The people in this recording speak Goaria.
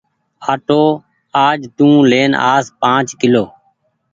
آٽو آج تو لين آس پآنچ ڪلو۔